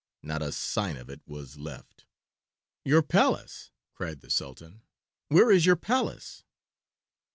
Not a sign of it was left. "Your palace!" cried the Sultan. "Where is your palace?"